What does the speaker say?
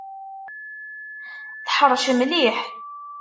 Teḥṛec mliḥ.